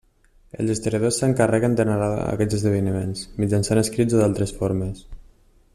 Els historiadors s'encarreguen de narrar aquests esdeveniments, mitjançant escrits o d'altres formes.